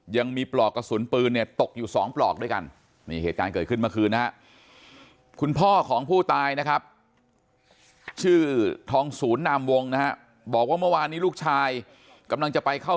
ยังมีปลอกกระสุนปืนไม่ตกอยู่๒ปลอกด้วยกัน